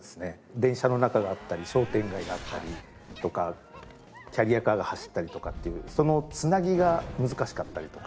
電車の中があったり商店街があったりとかキャリアカーが走ったりとかっていうその繋ぎが難しかったりとか。